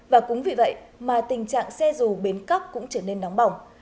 và cũng vì vậy mà tình trạng xe dù bến cóc cũng trở nên nóng bỏng